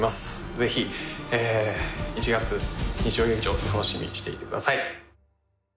ぜひ１月日曜劇場楽しみにしていてください